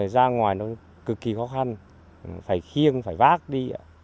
rồi ra ngoài nó cực kỳ khó khăn phải khiêng phải vác đi